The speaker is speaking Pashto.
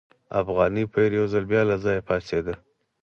افغاني پیر یو ځل بیا له ځایه پاڅېد.